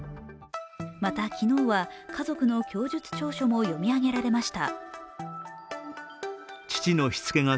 また、昨日は家族の供述調書も読み上げられました。